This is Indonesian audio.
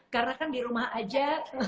karena kan di rumah aja